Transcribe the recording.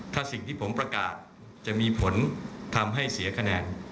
ถ้าสิ่งที่ผมประกาศจะมีผลทำให้เสียคะแนน